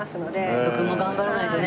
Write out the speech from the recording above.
瀬戸君も頑張らないとね